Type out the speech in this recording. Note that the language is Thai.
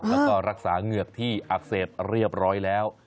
แล้วก็รักษาเหงือกที่อักเสบเรียบร้อยแล้ว